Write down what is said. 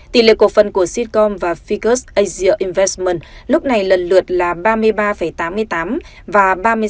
tỷ lệ cổ phần của sitcom và ficus asia investment lúc này lần lượt là ba mươi ba tám mươi tám và ba mươi sáu năm mươi tám